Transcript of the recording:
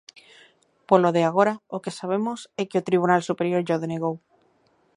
Polo de agora, o que sabemos é que o Tribunal Superior llo denegou.